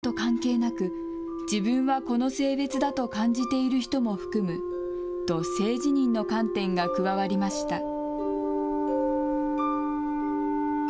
生まれたときの身体的特徴と関係なく自分はこの性別だと感じている人も含むと性自認の観点が加わりました。